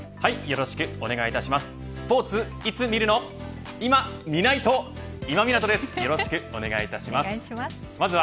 よろしくお願いします。